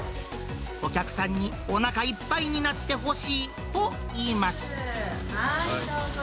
お客さんにおなかいっぱいになってほしいといいます。